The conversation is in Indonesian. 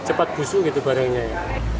cepat busuk gitu barangnya ya